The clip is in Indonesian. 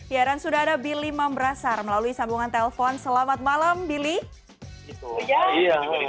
ya dan sudah ada billy mambrasar melalui sambungan telpon selamat malam billy